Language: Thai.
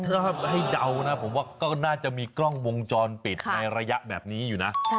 ถ้าให้เดานะผมว่าก็น่าจะมีกล้องวงจรปิดในระยะแบบนี้อยู่นะ